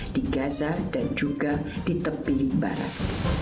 di gaza dan juga di tepi barat